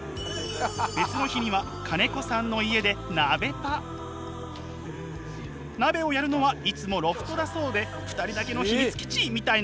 別の日には鍋をやるのはいつもロフトだそうで２人だけの秘密基地みたいな？